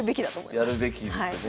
やるべきですよね。